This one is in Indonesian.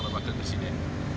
salam sejahtera presiden